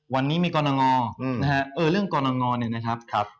วันนี้มีกรณงอนะครับเออเรื่องกรณงอเนี่ยนะครับ